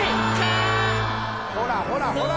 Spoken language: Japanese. ほらほらほら。